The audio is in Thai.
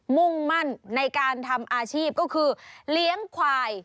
มุ่งมั่นในการทำอาชีพก็คือเลี้ยงควาย